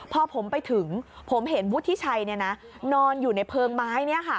พอผมไปถึงผมเห็นวุฒิชัยนอนอยู่ในเพลิงไม้